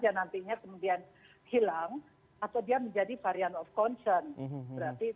jadi kita harus mulai lagi menu varian varian di masa ini